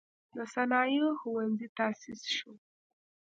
د صنایعو ښوونځی تأسیس شو.